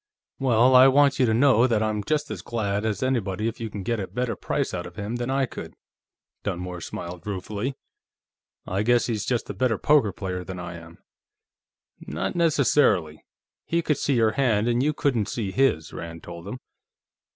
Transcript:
"Well, I want you to know that I'm just as glad as anybody if you can get a better price out of him than I could." Dunmore smiled ruefully. "I guess he's just a better poker player than I am." "Not necessarily. He could see your hand, and you couldn't see his," Rand told him.